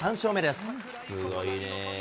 すごいね。